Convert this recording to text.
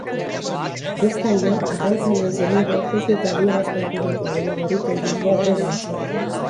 Bestalde, arrantzaleen senideek ez dute adierazpen publiko gehiagorik egingo aurrerantzean.